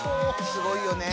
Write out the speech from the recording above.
すごいよね。